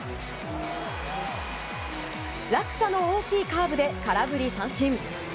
落差の大きいカーブで空振り三振。